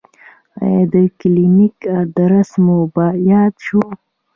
ایا د کلینیک ادرس مو یاد شو؟